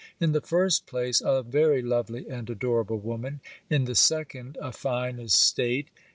In the first place, a very lovely and adorable woman. In the second, a fine estate.